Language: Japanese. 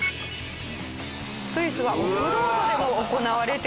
スイスはオフロードでも行われています。